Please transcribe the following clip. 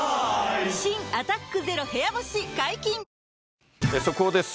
新「アタックＺＥＲＯ部屋干し」解禁‼速報です。